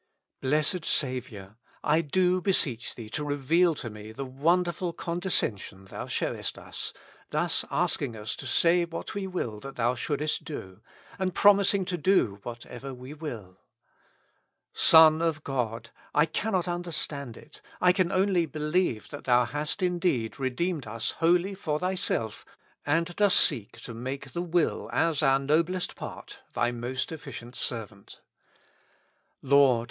Blessed Saviour ! I do beseech Thee to reveal to me the wonderful condescension Thou showest us, thus asking us to say what we will that Thou shouldest do, and promising to do whatever we will. Son of God ! I cannot understand it; I can only believe that Thou hast indeed redeemed us wholly for Thyself, and dost seek to make the will, as our noblest part, Thy most efficient servant. Lord